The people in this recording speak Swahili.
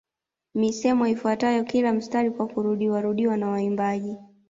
Misemo ifuatayo kila mstari kwa kurudiwarudiwa na waimbaji